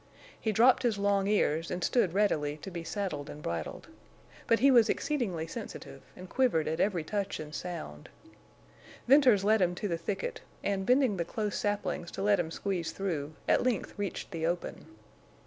He dropped his long ears and stood readily to be saddled and bridled. But he was exceedingly sensitive, and quivered at every touch and sound. Venters led him to the thicket, and, bending the close saplings to let him squeeze through, at length reached the open.